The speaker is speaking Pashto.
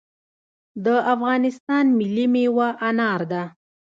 د افغانستان ملي میوه انار ده